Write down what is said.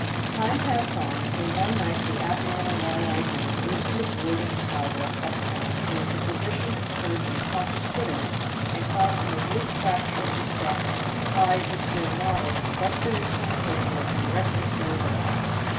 Time passed on, till one night the abnormal wall eyed man loosened a board in the sidewalk up town so that the physician and surgeon caught his foot in it and caused an oblique fracture of the scapula, pied his dura mater, busted his cornucopia and wrecked his sarah bellum.